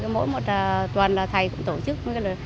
mỗi một tuần thầy cũng tổ chức